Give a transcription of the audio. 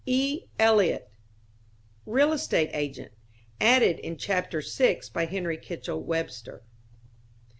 E. Eliot.... Real estate agent (added in Chapter VI by Henry Kitchell Webster).